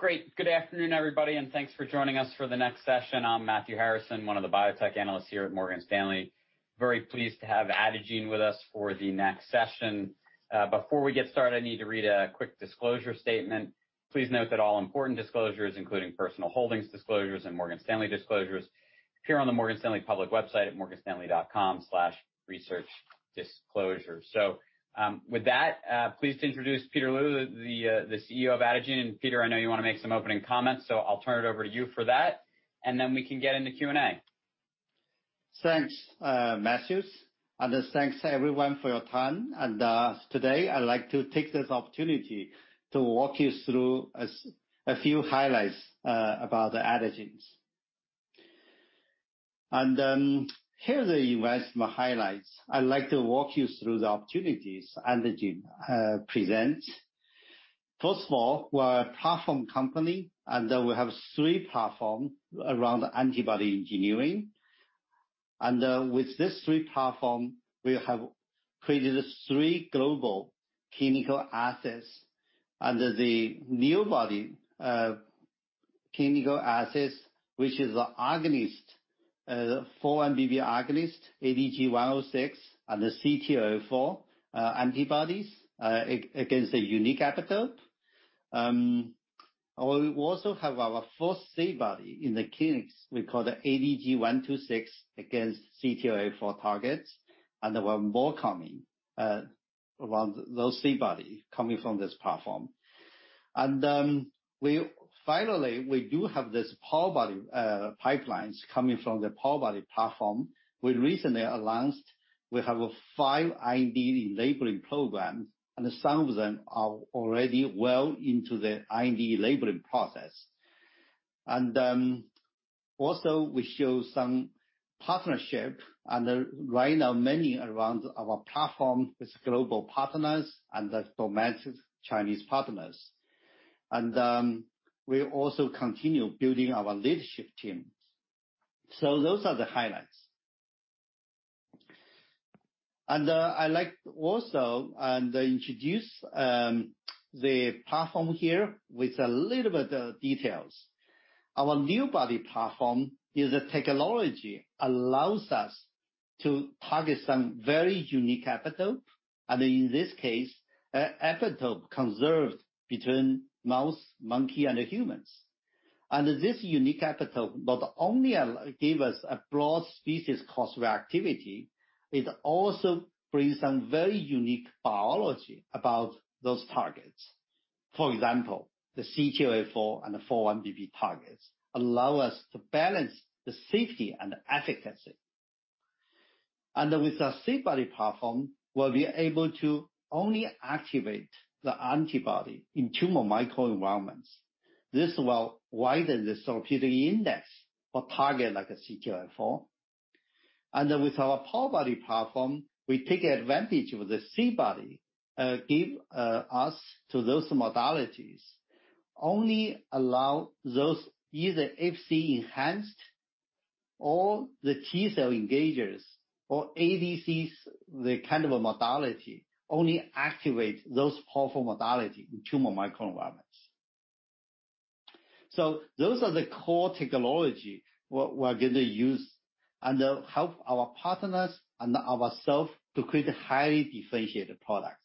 Great. Good afternoon, everybody, thanks for joining us for the next session. I'm Matthew Harrison, one of the biotech analysts here at Morgan Stanley. Very pleased to have Adagene with us for the next session. Before we get started, I need to read a quick disclosure statement. Please note that all important disclosures, including personal holdings disclosures and Morgan Stanley disclosures, appear on the Morgan Stanley public website at morganstanley.com/researchdisclosures. With that, pleased to introduce Peter Luo, the CEO of Adagene. Peter, I know you want to make some opening comments, so I'll turn it over to you for that, then we can get into Q&A. Thanks, Matthew. Thanks everyone for your time. Today I'd like to take this opportunity to walk you through a few highlights about Adagene. Here are the investment highlights. I'd like to walk you through the opportunities Adagene presents. First of all, we're a platform company, and we have three platforms around antibody engineering. With these three platforms, we have created three global clinical assets. The NEObody clinical assets, which is the agonist, 4-1BB agonist, ADG106 and the CTLA-4 antibodies against a unique epitope. We also have our first SAFEbody in the clinics. We call it ADG126 against CTLA-4 targets. There are more coming around those SAFEbody coming from this platform. Finally, we do have this POWERbody pipelines coming from the POWERbody platform. We recently announced we have five IND enabling programs, and some of them are already well into the IND enabling process. Also we show some partnership, and right now many around our platform with global partners and domestic Chinese partners. We also continue building our leadership teams. Those are the highlights. I like to also introduce the platform here with a little bit of details. Our NEObody platform is a technology allows us to target some very unique epitope, and in this case, an epitope conserved between mouse, monkey, and humans. This unique epitope not only gave us a broad species cross-reactivity, it also brings some very unique biology about those targets. For example, the CTLA-4 and the 4-1BB targets allow us to balance the safety and efficacy. With our SAFEbody platform, we'll be able to only activate the antibody in tumor microenvironments. This will widen the therapeutic index for target like a CTLA-4. With our POWERbody platform, we take advantage of the SAFEbody give us to those modalities only allow those either Fc-enhanced or the T-cell engagers or ADCs, the kind of a modality only activate those powerful modality in tumor microenvironments. Those are the core technology we're going to use and help our partners and ourselves to create highly differentiated products.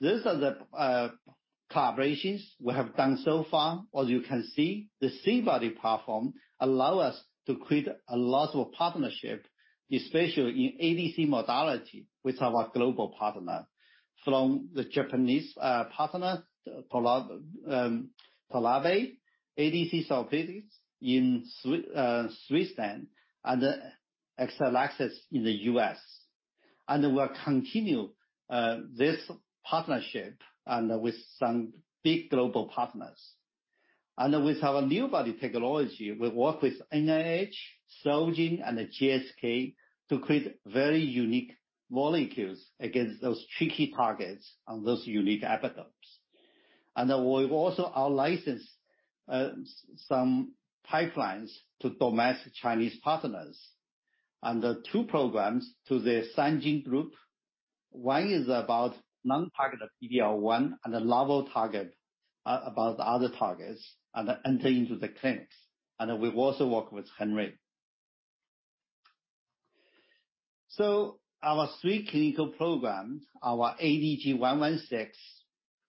These are the collaborations we have done so far. As you can see, the SAFEbody platform allow us to create a lot of partnership, especially in ADC modality with our global partner, from the Japanese partner, Pola Pharma, ADC Therapeutics in Switzerland, and Exelixis in the U.S. We'll continue this partnership and with some big global partners. With our NEObody technology, we work with NIH, Celgene, and GSK to create very unique molecules against those tricky targets and those unique epitopes. We've also out-licensed some pipelines to domestic Chinese partners. The two programs to the Sanjin Group, one is about known target of PD-L1 and the novel target about the other targets and enter into the clinics. We also work with Hengrui. Our three clinical programs, our ADG116,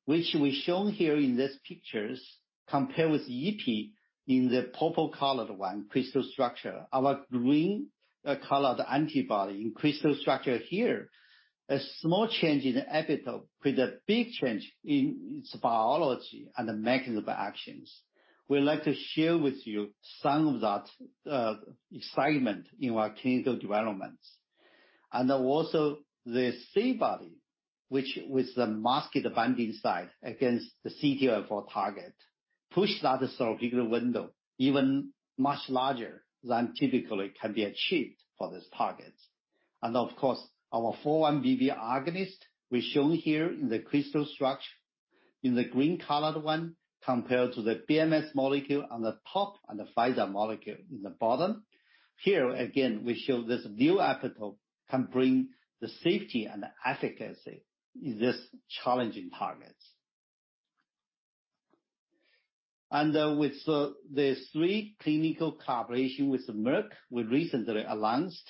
which we've shown here in these pictures, compare with ipilimumab in the purple-colored one crystal structure. Our green-colored antibody in crystal structure here, a small change in the epitope with a big change in its biology and mechanism of actions. We'd like to share with you some of that excitement in our clinical developments. Also the SAFEbody, which with the masked binding site against the CTLA-4 target, push that therapeutic window even much larger than typically can be achieved for these targets. Of course, our 4-1BB agonist, we've shown here in the crystal structure in the green colored one compared to the BMS molecule on the top and the Pfizer molecule in the bottom. Here again, we show this new epitope can bring the safety and efficacy in this challenging targets. With the three clinical collaboration with Merck, we recently announced,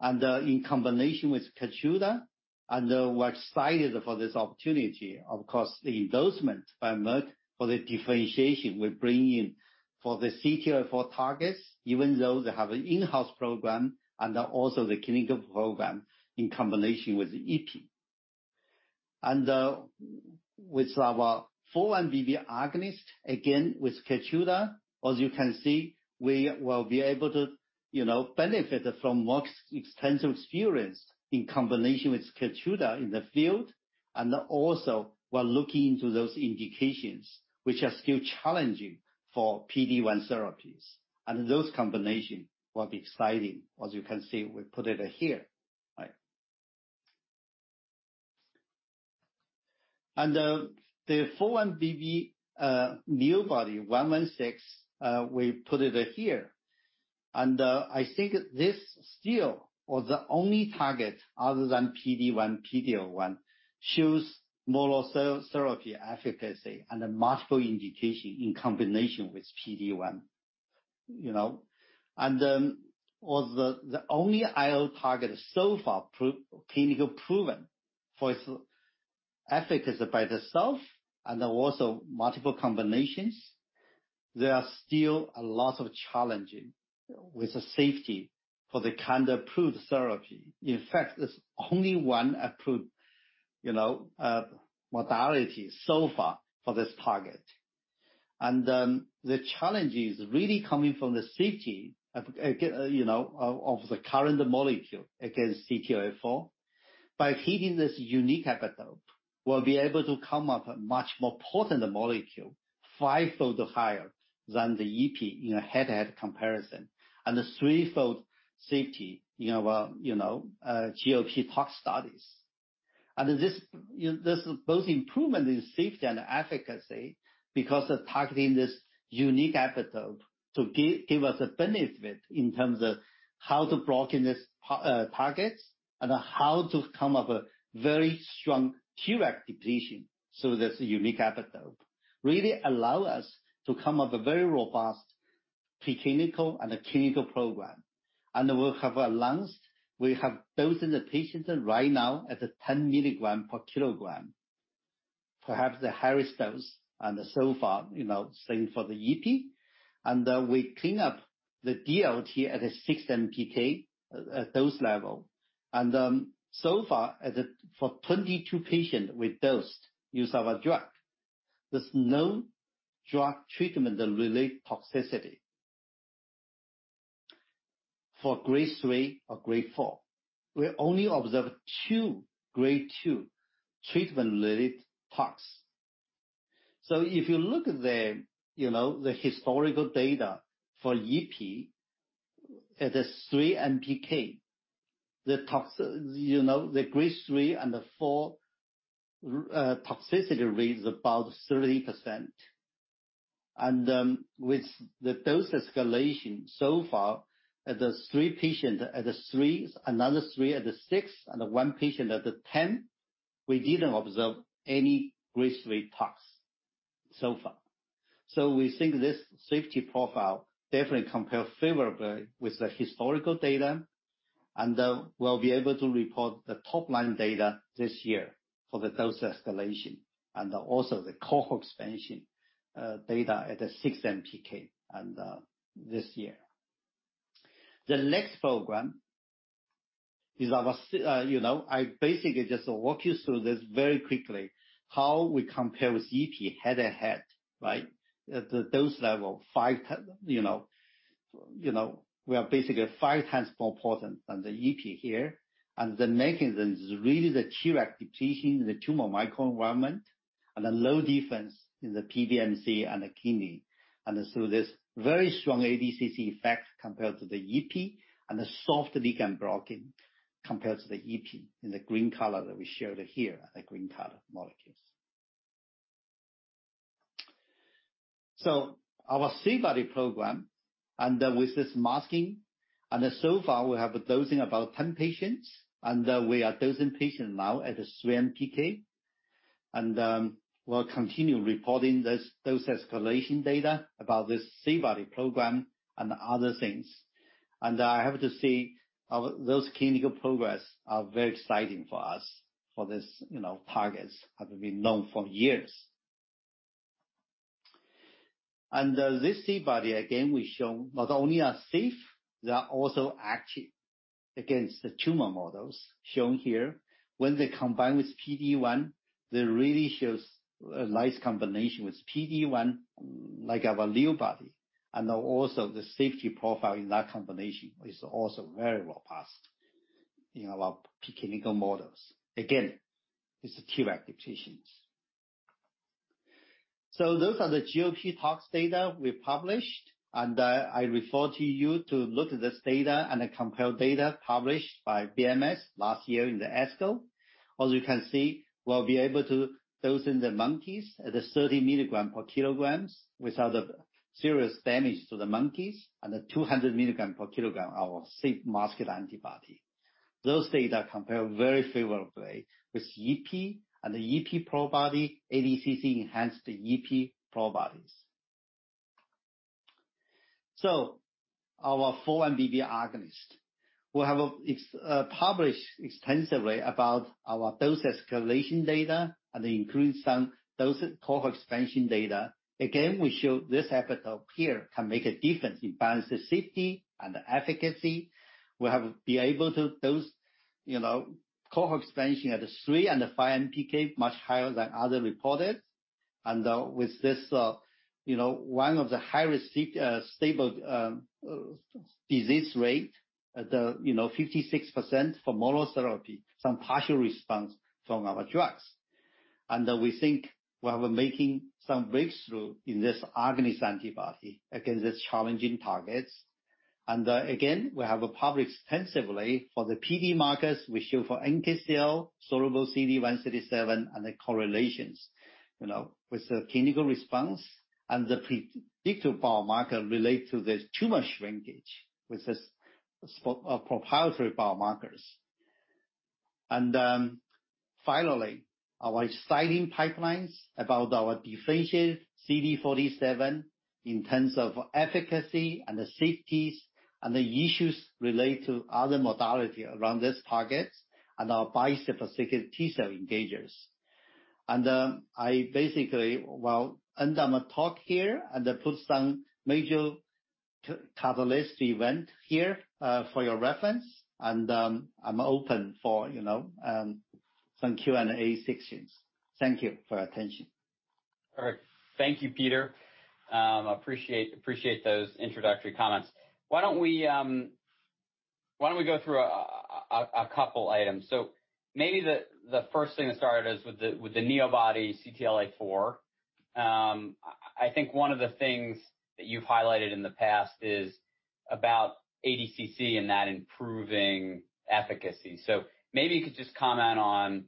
and in combination with KEYTRUDA, and we're excited for this opportunity. Of course, the endorsement by Merck for the differentiation we're bringing for the CTLA-4 targets, even though they have an in-house program, and also the clinical program in combination with ipilimumab. With our 4-1BB agonist, again, with KEYTRUDA, as you can see, we will be able to benefit from more extensive experience in combination with KEYTRUDA in the field. We're looking into those indications which are still challenging for PD-1 therapies. Those combination will be exciting. As you can see, we put it here. Right. The 4-1BB NEObody 116, we put it here. I think this still was the only target other than PD-1, PD-L1, shows monotherapy efficacy and multiple indication in combination with PD-1. Was the only IO target so far clinical proven for its efficacy by itself and also multiple combinations. There are still a lot of challenging with the safety for the kind of approved therapy. In fact, there's only one approved modality so far for this target. The challenge is really coming from the safety of the current molecule against CTLA-4. By hitting this unique epitope, we'll be able to come up with much more potent molecule, fivefold higher than the ipilimumab in a head-to-head comparison, and threefold safety over GLP tox studies. This both improvement in safety and efficacy because of targeting this unique epitope to give us a benefit in terms of how to block this target and how to come up with very strong Treg depletion. This unique epitope really allow us to come up with very robust pre-clinical and clinical program. We have announced we have dosed in the patients right now at a 10 mg/kg. Perhaps the highest dose and so far same for the ipilimumab. We clean up the DLT at a 6 MPK dose level. So far, for 22 patients we dosed use our drug. There's no drug treatment-related toxicity for grade 3 or grade 4. We only observe two grade 2 treatment-related tox. If you look at the historical data for ipilimumab at a 3 MPK, the grade 3 and the 4 toxicity rate is about 30%. With the dose escalation so far at the three patients at a 3, another three at a 6, and one patient at a 10, we didn't observe any grade 3 tox so far. We think this safety profile definitely compare favorably with the historical data, and we'll be able to report the top-line data this year for the dose escalation and also the cohort expansion data at a 6 MPK this year. The next program is I basically just walk you through this very quickly, how we compare with ipilimumab head-to-head, right? At the dose level, we are basically five times more potent than the ipi here. The mechanism is really the Treg depletion in the tumor microenvironment, and the low difference in the PBMC and the kidney. There's very strong ADCC effect compared to the ipi and the soft ligand blocking compared to the ipi in the green color that we showed here, the green color molecules. Our SAFEbody program, and with this masking, and so far we have dosing about 10 patients, and we are dosing patient now at a 3 MPK. We'll continue reporting this dose escalation data about this SAFEbody program and other things. I have to say, those clinical progress are very exciting for us for this targets have been known for years. This SAFEbody, again, we've shown not only are safe, they are also active against the tumor models shown here. When they combine with PD-1, they really shows a nice combination with PD-1, like our NEObody. Also the safety profile in that combination is also very robust in our pre-clinical models. Again, it's the Treg depletions. Those are the GLP tox data we published, and I refer to you to look at this data and the compared data published by BMS last year in the ASCO. You can see, we'll be able to dose in the monkeys at a 30 mg/kg without a serious damage to the monkeys and a 200 mg/kg our safe masked antibody. Those data compare very favorably with ipilimumab and the ipilimumab Probody ADCC-enhanced ipilimumab Probodies. Our 4-1BB agonist. We have published extensively about our dose escalation data and include some dose cohort expansion data. We show this epitope here can make a difference in balanced safety and efficacy. We have been able to dose cohort expansion at a 3 MPK and a 5 MPK, much higher than other reported. With this, one of the high-risk stable disease rate at the 56% for monotherapy, some partial response from our drugs. We think we are making some breakthrough in this agonist antibody against the challenging targets. Again, we have published extensively for the PD markers we show for NK cell, soluble CD137 and the correlations with the clinical response and the predictive biomarker relate to the tumor shrinkage with this proprietary biomarkers. Finally, our exciting pipelines about our differentiated CD47 in terms of efficacy and the safeties and the issues related to other modality around this target and our bispecific T-cell engagers. I basically will end my talk here and put some major catalyst event here for your reference. I'm open for some Q&A sessions. Thank you for attention. All right. Thank you, Peter Luo. Appreciate those introductory comments. Why don't we go through a couple items? Maybe the first thing that started is with the NEObody CTLA-4. I think one of the things that you've highlighted in the past is about ADCC and that improving efficacy. Maybe you could just comment on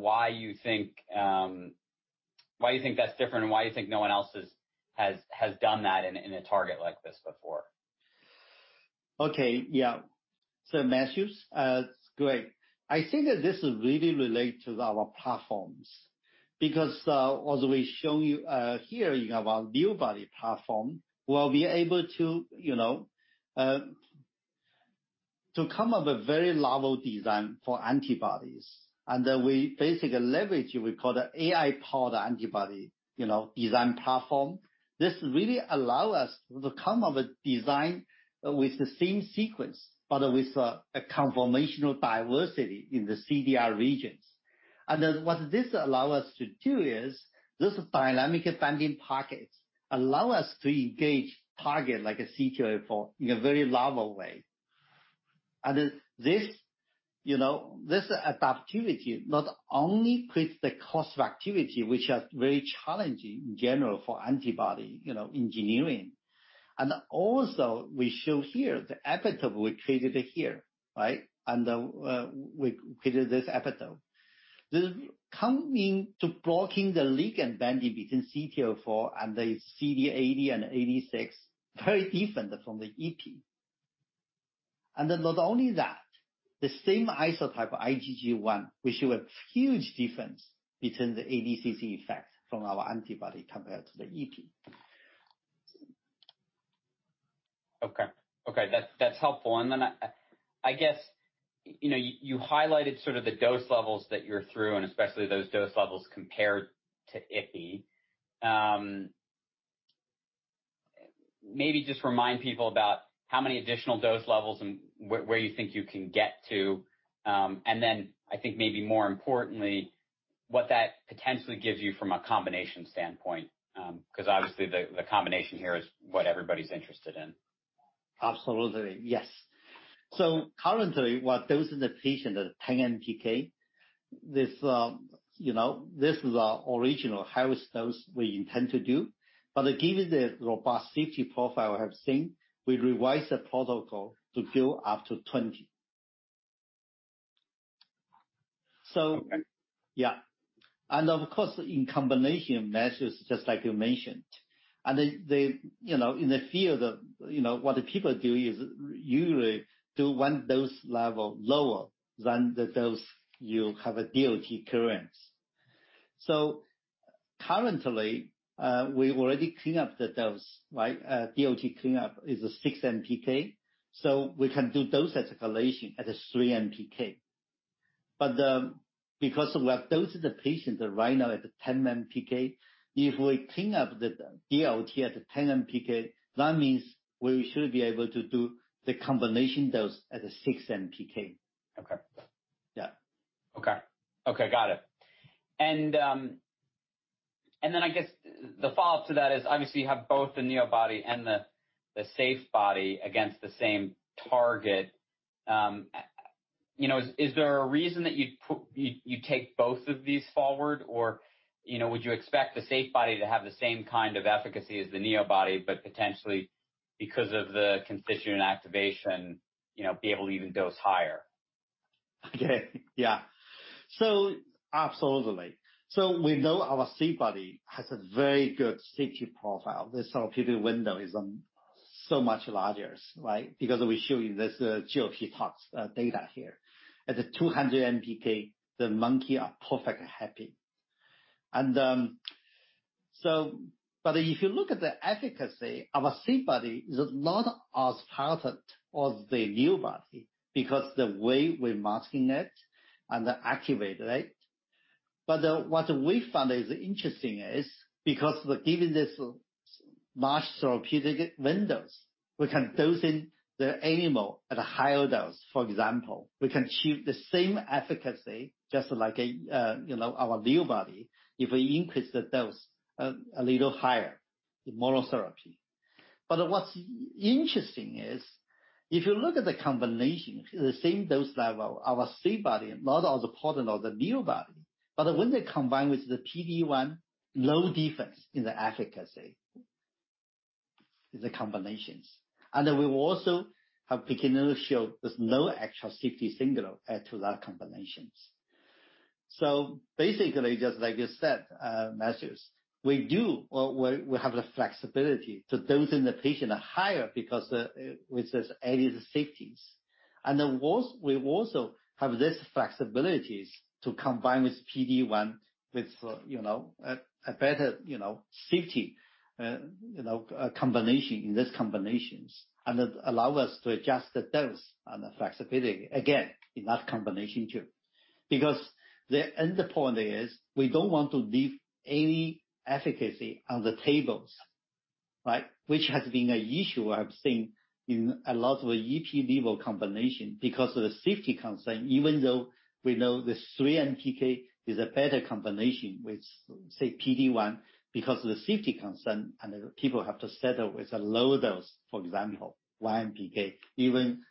why you think that's different and why you think no one else has done that in a target like this before. Okay. Yeah. Matthew Harrison, it's great. I think that this really relates to our platforms because as we show you here, you have our NEObody platform where we are able to come up with very novel design for antibodies, and we basically leverage what we call the AI-powered antibody design platform. This really allows us to come up with design with the same sequence, but with a conformational diversity in the CDR regions. What this allows us to do is this dynamic expanding pockets allow us to engage target like a CTLA-4 in a very novel way. This adaptivity not only creates the cross-activity, which are very challenging in general for antibody engineering. We show here the epitope we created here, right? We created this epitope. This come in to blocking the ligand binding between CTLA-4 and the CD80 and 86, very different from the ipilimumab. Not only that, the same isotype IgG1, we show a huge difference between the ADCC effect from our antibody compared to the ipilimumab. Okay. That's helpful. I guess, you highlighted sort of the dose levels that you're through and especially those dose levels compared to ipilimumab. Maybe just remind people about how many additional dose levels and where you think you can get to. I think maybe more importantly, what that potentially gives you from a combination standpoint. Obviously the combination here is what everybody's interested in. Absolutely, yes. Currently, what dose in the patient at 10 MPK, this is our original highest dose we intend to do. Given the robust safety profile we have seen, we revised the protocol to go up to 20. Okay. Yeah. Of course, in combination measures, just like you mentioned, and in the field what the people do is usually do one dose level lower than the dose you have a DLT occurrence. Currently, we already clean up the dose. DLT cleanup is a 6 MPK. We can do dose escalation at a 3 MPK. Because we have dosed the patient right now at 10 MPK, if we clean up the DLT at 10 MPK, that means we should be able to do the combination dose at a 6 MPK. Okay. Yeah. Okay. Got it. I guess the follow-up to that is obviously you have both the NEObody and the SAFEbody against the same target. Is there a reason that you take both of these forward or would you expect the SAFEbody to have the same kind of efficacy as the NEObody, but potentially, because of the conditional activation, be able to even dose higher? Okay. Yeah. Absolutely. We know our SAFEbody has a very good safety profile. This therapeutic window is so much larger, right? We show you this GLP tox data here. At the 200 MPK, the monkey are perfectly happy. If you look at the efficacy, our SAFEbody is not as potent as the NEObody because the way we're masking it and activate it. What we found is interesting is given this much therapeutic windows, we can dose in the animal at a higher dose. For example, we can achieve the same efficacy just like our NEObody if we increase the dose a little higher in monotherapy. What's interesting is if you look at the combination, the same dose level, our SAFEbody not as potent as the NEObody, but when they combine with the PD-1, no difference in the efficacy in the combinations. We will also have beginning to show there's no actual safety signal added to that combinations. Basically, just like you said, Matthews, we have the flexibility to dose in the patient higher because with this added safeties. We also have this flexibilities to combine with PD-1 with a better safety in these combinations and allow us to adjust the dose and the flexibility, again, in that combination too. The end point is we don't want to leave any efficacy on the tables, which has been an issue I've seen in a lot of PD level combination because of the safety concern, even though we know the 3 MPK is a better combination with, say, PD-1 because of the safety concern and people have to settle with a lower dose, for example, 1 MPK even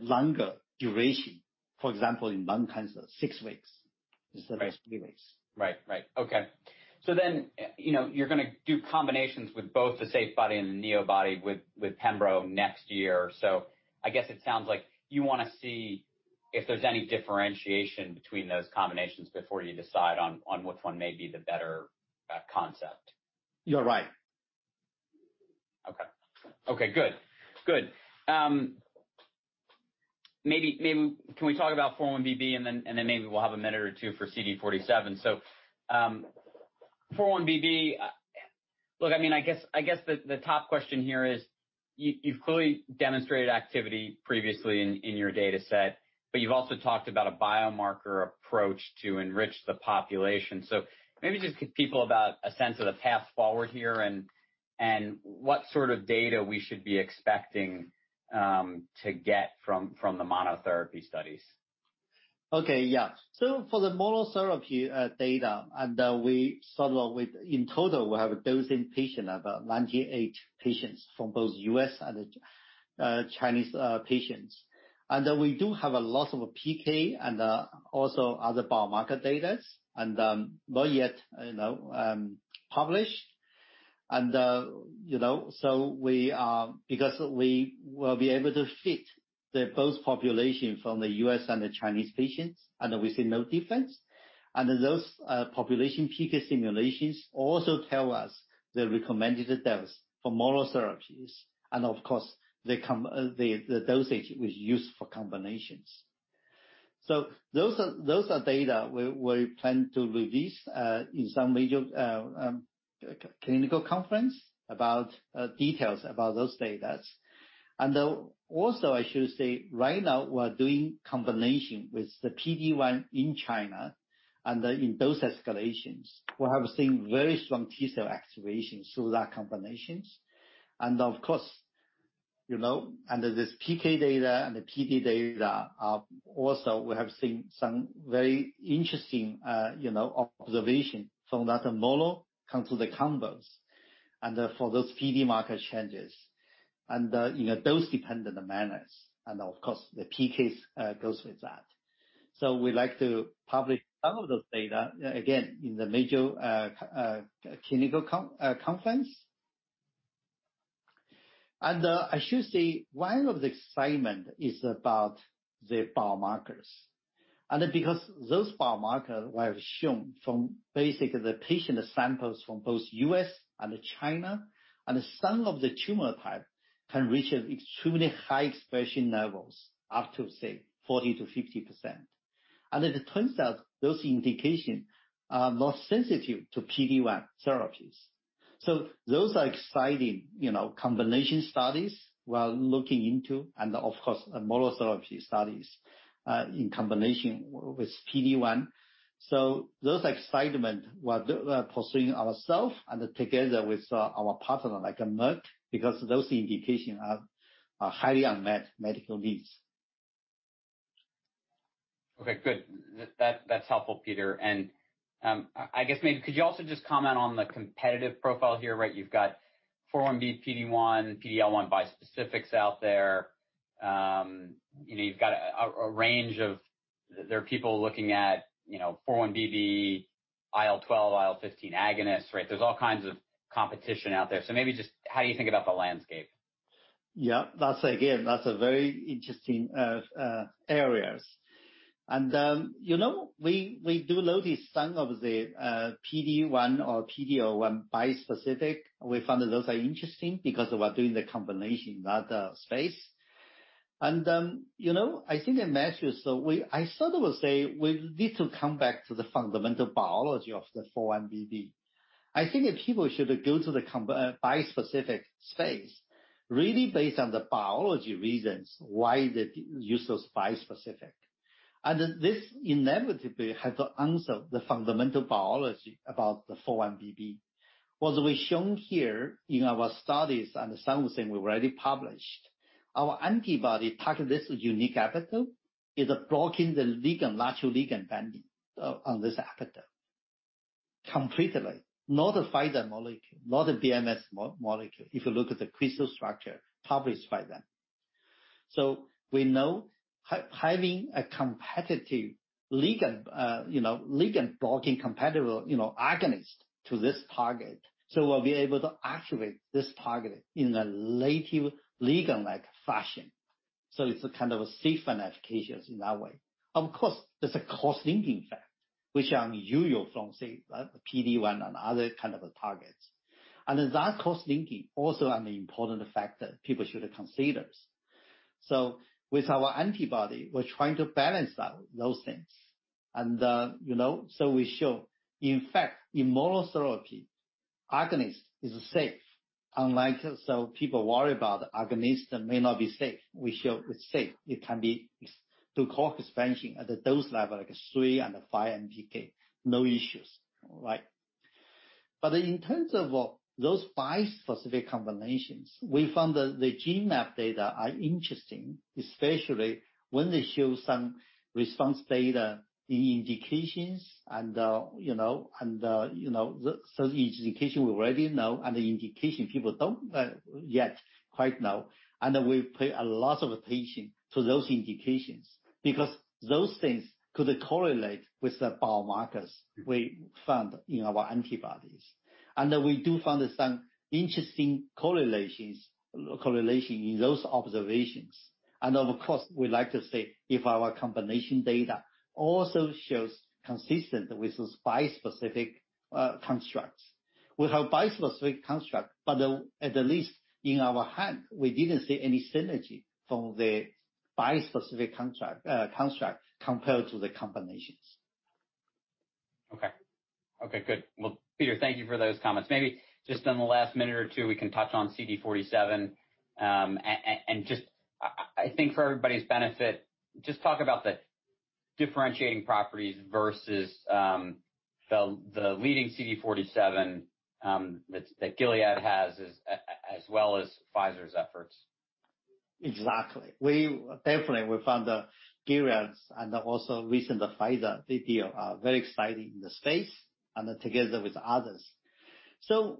longer duration, for example, in lung cancer, six weeks instead of three weeks. Right. Okay. You're going to do combinations with both the SAFEbody and the NEObody with pembrolizumab next year. I guess it sounds like you want to see if there's any differentiation between those combinations before you decide on which one may be the better concept. You're right. Okay. Good. Maybe can we talk about 4-1BB and then maybe we'll have a minute or two for CD47. 4-1BB, look, I guess the top question here is you've clearly demonstrated activity previously in your data set, but you've also talked about a biomarker approach to enrich the population. Maybe just give people about a sense of the path forward here and what sort of data we should be expecting to get from the monotherapy studies. Okay. Yeah. For the monotherapy data, and we struggle with in total, we have a dosing patient of 98 patients from both U.S. and Chinese patients. We do have a lot of PK and also other biomarker data not yet published. We will be able to fit both population from the U.S. and the Chinese patients, and we see no difference. Those population PK simulations also tell us the recommended dose for monotherapies and of course, the dosage which is used for combinations. Those are data we plan to release in some major clinical conference about details about those data. Also I should say right now we're doing combination with the PD-1 in China and in those escalations, we have seen very strong T-cell activation through that combinations. Of course, under this PK data and the PD data, also we have seen some very interesting observation from that mono come to the combos and for those PD marker changes and dose-dependent manners and of course the PKs goes with that. We like to publish some of those data, again, in the major clinical conference. I should say one of the excitement is about the biomarkers, because those biomarker were shown from basically the patient samples from both U.S. and China, and some of the tumor type can reach extremely high expression levels up to, say, 40%-50%. It turns out those indications are more sensitive to PD-1 therapies. Those are exciting combination studies we're looking into and, of course, monotherapy studies in combination with PD-1. Those excitement we're pursuing ourself and together with our partner like Merck because those indications are highly unmet medical needs. Okay, good. That's helpful, Peter. I guess maybe could you also just comment on the competitive profile here, right? You've got 4-1BB, PD-1, PD-L1 bispecifics out there. There are people looking at 4-1BB, IL-12, IL-15 agonists, right? There's all kinds of competition out there. Maybe just how do you think about the landscape? Yeah. Again, that's a very interesting area. We do notice some of the PD-1 or PD-L1 bispecific, we find that those are interesting because we are doing the combination in that space. I think that matches. I sort of will say we need to come back to the fundamental biology of the 4-1BB. I think if people should go to the bispecific space, really based on the biology reasons why they use those bispecific. This inevitably has to answer the fundamental biology about the 4-1BB. What we've shown here in our studies and some of the things we've already published, our antibody target this unique epitope is blocking the ligand, natural ligand binding on this epitope completely. Not a Pfizer molecule, not a BMS molecule, if you look at the crystal structure published by them. We know having a competitive ligand blocking competitive agonist to this target, we'll be able to activate this target in a native ligand-like fashion. It's a kind of a safe and efficacious in that way. Of course, there's a cross-linking effect, which unusual from, say, PD-1 and other kind of targets. That cross-linking also an important effect that people should consider. With our antibody, we're trying to balance out those things. We show, in fact, in monotherapy, agonist is safe, unlike some people worry about agonist may not be safe. We show it's safe. It can be through core expansion at the dose level, like 3 mg/kg and 5 mg/kg, no issues. Right. In terms of those bispecific combinations, we found the Genmab data are interesting, especially when they show some response data in indications and so each indication we already know, and the indication people don't yet quite know. We pay a lot of attention to those indications because those things could correlate with the biomarkers we found in our antibodies. We do find some interesting correlation in those observations. Of course, we like to see if our combination data also shows consistent with those bispecific constructs. We have bispecific construct, but at least in our hand, we didn't see any synergy from the bispecific construct compared to the combinations. Okay. Okay, good. Well, Peter, thank you for those comments. Maybe just in the last minute or two, we can touch on CD47. Just I think for everybody's benefit, just talk about the differentiating properties versus the leading CD47 that Gilead has, as well as Pfizer's efforts. Exactly. Definitely, we found the Gilead and also recent Pfizer data are very exciting in the space and together with others.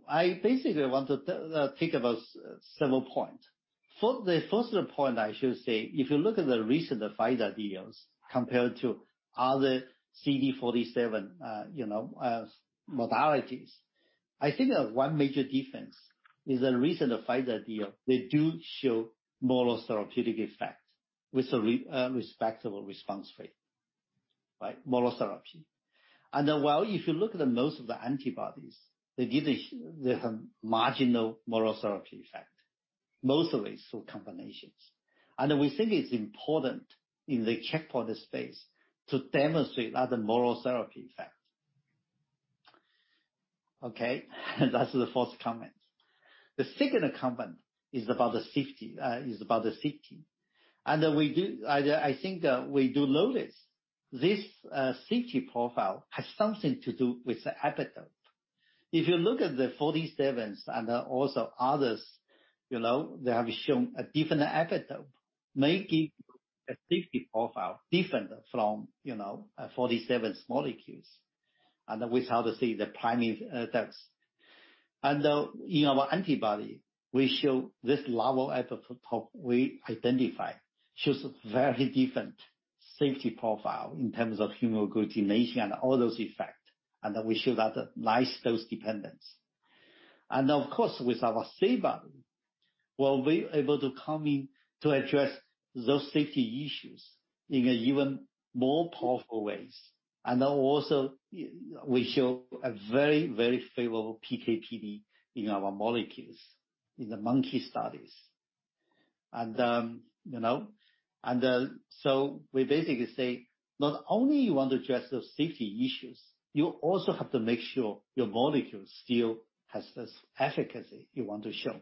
I basically want to think about several points. The first point I should say, if you look at the recent Pfizer deals compared to other CD47 modalities, I think one major difference is the recent Pfizer deal, they do show monotherapeutic effect with a respectable response rate. Monotherapy. While if you look at the most of the antibodies, they have marginal monotherapy effect, mostly through combinations. We think it's important in the checkpoint space to demonstrate other monotherapy effect. Okay, that's the first comment. The second comment is about the safety. I think we do notice this safety profile has something to do with the epitope. If you look at the CD47s and also others, they have shown a different epitope, making a safety profile different from CD47s molecules. With how they say the priming effects. In our antibody, we show this novel epitope we identify shows very different safety profile in terms of hemagglutination and all those effect, we show that nice dose dependence. Of course, with our SAFEbody, we'll be able to come in to address those safety issues in a even more powerful ways. Also we show a very, very favorable PK/PD in our molecules in the monkey studies. We basically say, not only you want to address those safety issues, you also have to make sure your molecule still has this efficacy you want to show.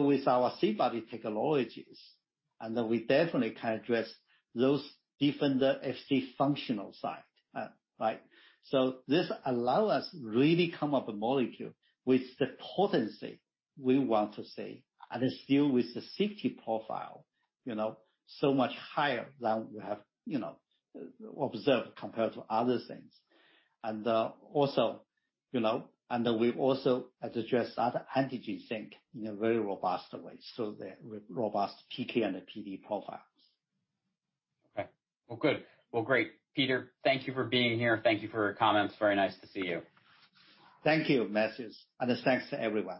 With our SAFEbody technologies, we definitely can address those different Fc functional site. Right. This allows us really come up a molecule with the potency we want to see and still with the safety profile so much higher than we have observed compared to other things. We've also addressed other antigen sink in a very robust way. The robust PK and PD profiles. Okay. Well, good. Well, great. Peter, thank you for being here. Thank you for your comments. Very nice to see you. Thank you, Matthew. Thanks to everyone.